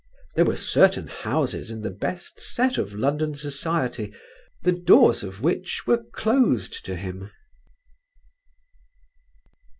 There were certain houses in the best set of London society the doors of which were closed to him.